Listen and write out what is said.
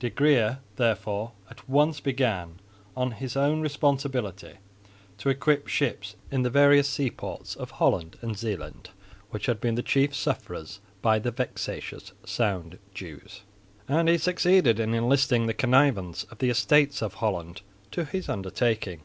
De Geer therefore at once began on his own responsibility to equip ships in the various seaports of Holland and Zeeland which had been the chief sufferers by the vexatious Sound dues, and he succeeded in enlisting the connivance of the Estates of Holland to his undertaking.